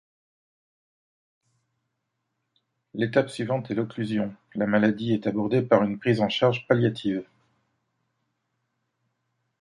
L'étape suivante est l'occlusion, la maladie est abordée par une prise en charge palliative.